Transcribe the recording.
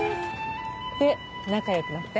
で仲良くなって？